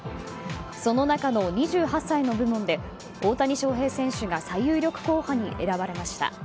その中の２８歳の部門で大谷翔平選手が最有力候補に選ばれました。